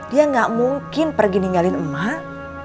dia gak mungkin pergi ninggalin emas